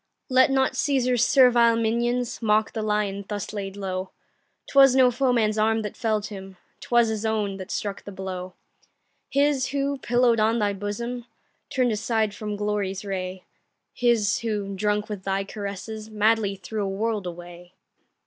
Let not Cæsar's servile minions Mock the lion thus laid low; 'Twas no foeman's arm that fell'd him, 'Twas his own that struck the blow; His who, pillow'd on thy bosom, Turn'd aside from glory's ray, His who, drunk with thy caresses, Madly threw a world away.